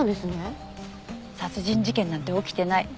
殺人事件なんて起きてない。